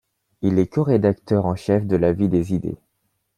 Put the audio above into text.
Il est co-rédacteur en chef de La Vie des Idées.